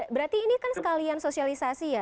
berarti ini kan sekalian sosialisasi ya